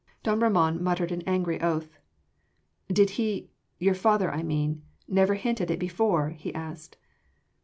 Don Ramon muttered an angry oath. "Did he your father I mean never hint at it before?" he asked.